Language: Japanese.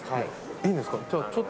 いいんですか。